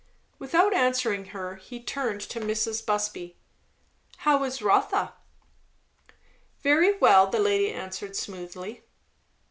Without answering her he turned to Mrs. Busby. "How is Rotha?" "Very well!" the lady answered smoothly.